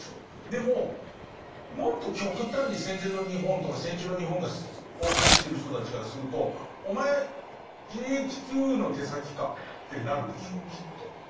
でももっと極端に戦前の日本とか戦中の日本を愛してる人たちからするとお前ＧＨＱの手先か？ってなるでしょうきっと。